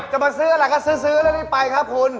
จะมาซื้ออะไรก็ซื้อแล้วรีบไปครับคุณ